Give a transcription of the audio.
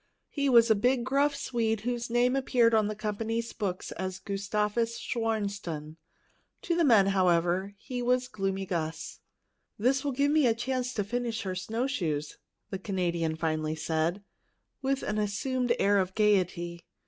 He was a big, gruff Swede, whose name appeared on the company's books as Gustavus Schwarstun. To the men, however, he was "Gloomy Gus." "This will give me a chance to finish her snowshoes," the Canadian finally said, with an assumed air of gayety.